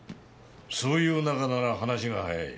そういう仲なら話が早い。